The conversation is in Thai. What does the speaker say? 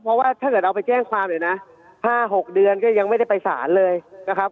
เพราะว่าถ้าเกิดเราไปแจ้งความเลยนะ๕๖เดือนก็ยังไม่ได้ไปสารเลยนะครับ